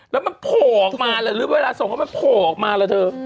แล้วมันโผ่ออกมาหรือเวลาส่งก็มาโผ่ออกมาละเถอะ